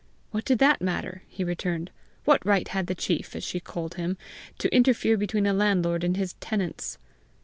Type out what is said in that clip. What did that matter! he returned. What right had the chief, as she called him, to interfere between a landlord and his tenants?